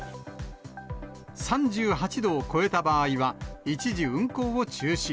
３８度を超えた場合は、一時運行を中止。